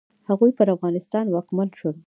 هغوی پر افغانستان واکمن شول.